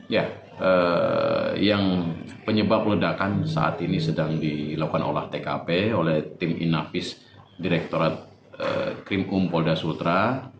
ya yang penyebab ledakan saat ini sedang dilakukan olah tkp oleh tim inavis direkturat krim umpolda sultra